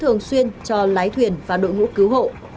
thường xuyên cho lái thuyền và đội ngũ cứu hộ